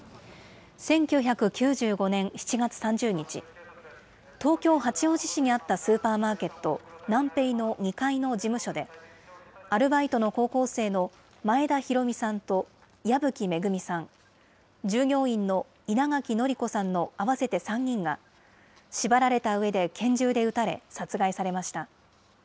１９９５年７月３０日、東京・八王子市にあったスーパーマーケット、ナンペイの２階の事務所で、アルバイトの高校生の前田寛美さんと、矢吹恵さん、従業員の稲垣則子さんの合わせて３人が、縛られたうえで拳銃で撃たれ、殺害されました。